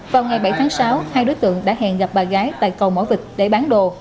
vào ngày bảy tháng sáu hai đối tượng đã hẹn gặp bà gái tại cầu mỏ vịnh để bán đồ